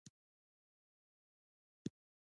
آیا د اوبو بندونه به ډک شي؟